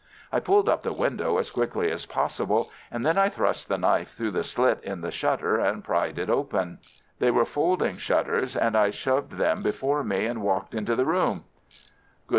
I pulled up the window as quickly as possible, and then I thrust the knife through the slit in the shutter and prized it open. They were folding shutters, and I shoved them before me and walked into the room.